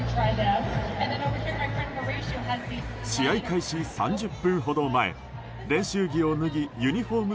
試合開始３０分ほど前練習着を脱ぎユニホーム